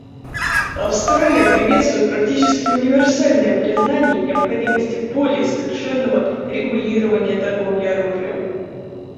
Австралия приветствует практически универсальное признание необходимости более совершенного регулирования торговли оружием.